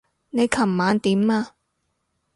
你琴晚點啊？